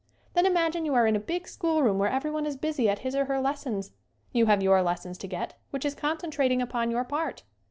Then imagine you are in a big schoolroom where everyone is busy at his or her lessons. You have your lesson to get which is concentrating upon your part.